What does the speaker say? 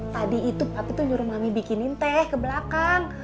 tadi itu pak itu nyuruh mami bikinin teh ke belakang